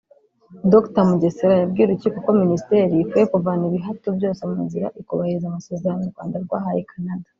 Dr Mugesera yabwiye urukiko ko Minisiteri ikwiye kuvana ibihato byose mu nzira ikubahiriza amasezerano u Rwanda rwahaye Canada